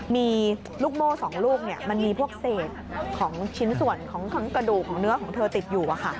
มีลูกโม่๒ลูกมันมีพวกเศษของชิ้นส่วนของกระดูกของเนื้อของเธอติดอยู่